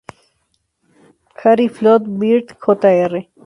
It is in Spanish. Harry Flood Byrd, Jr.